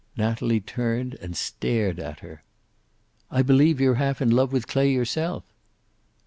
Natalie turned and stared at her. "I believe you're half in love with Clay yourself!"